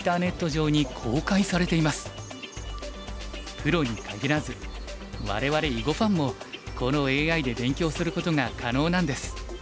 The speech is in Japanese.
プロにかぎらず我々囲碁ファンもこのＡＩで勉強することが可能なんです。